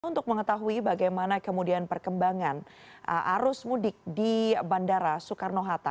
untuk mengetahui bagaimana kemudian perkembangan arus mudik di bandara soekarno hatta